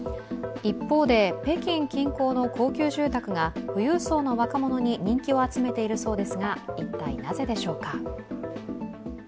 一方で、北京近郊の高級住宅が富裕層の若者に人気を集めているそうですが、一体なぜでしょうか？